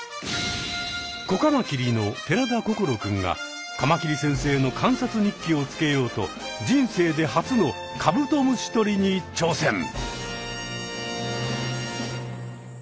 子カマキリの寺田心君がカマキリ先生の観察日記をつけようと人生で初のカブトムシとりにちょうせん！